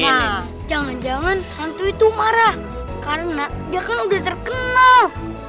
ya jangan jangan hantu itu marah karena dia kan udah terkenal